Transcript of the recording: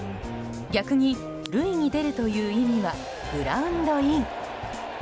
逆に塁に出るという意味はグラウンドイン。